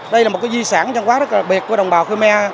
đây là một cái di sản văn hóa rất là biệt của đồng bào khmer